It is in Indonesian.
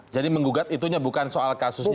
jadi menggugat itunya bukan soal kasusnya